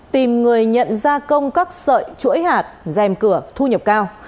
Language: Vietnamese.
tìm người nhận gia công các sợi chuỗi hạt dèm cửa thu nhập cao